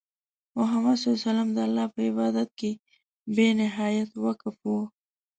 محمد صلى الله عليه وسلم د الله په عبادت کې بې نهایت وقف وو.